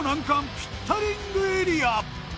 ピッタリングエリア